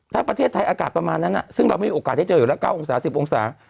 ถ้าประเทศไทยอากาศประมาณนั้นซึ่งเราไม่มีโอกาสได้เจออยู่แล้ว๙องศา๑๐องศา